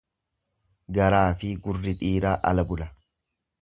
Garaafi gurri dhiiraa ala bula.